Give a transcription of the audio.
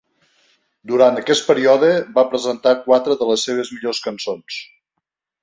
Durant aquest període va presentar quatre de les seves millors cançons.